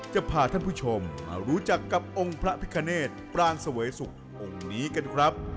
จะพาท่านผู้ชมมารู้จักกับองค์พระพิคเนตปรางเสวยสุของค์นี้กันครับ